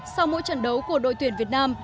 sau mỗi trận đấu của đội tuyển việt nam